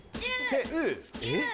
「せ」「う」えっ？